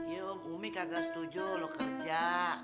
ya umi kagak setuju lo kerja